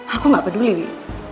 aku gak peduli wi